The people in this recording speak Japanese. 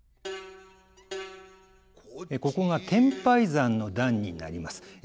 ここが「天拝山の段」になります。